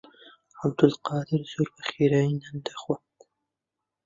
عەبدولقادر زۆر بەخێرایی نان دەخوات.